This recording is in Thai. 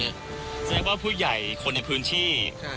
ที่นึกว่าผู้ใหญ่คนในพื้นที่